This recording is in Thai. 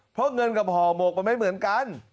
เพราะเงินกับห่อหมกมันไม่เหมือนกัน